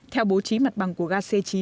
theo bố trí mặt bằng của ga c chín